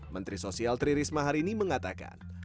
menteri sosial tri risma hari ini mengatakan